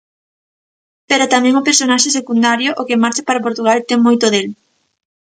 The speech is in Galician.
Pero tamén o personaxe secundario, o que marcha para Portugal, ten moito del.